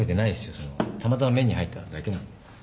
そのたまたま目に入っただけなんで。